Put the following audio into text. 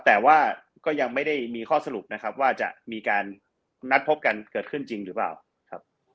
แต่ว่าก็ยังไม่ได้มีข้อสรุปนะครับว่าจะมีการนัดพบกันเกิดขึ้นจริงหรือเปล่าครับ